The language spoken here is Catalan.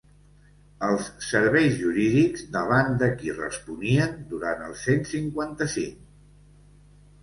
Els serveis jurídics davant de qui responien, durant el cent cinquanta-cinc?